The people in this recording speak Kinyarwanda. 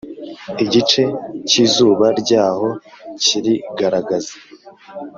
igice cy'izuba ryaho cyirigaragaza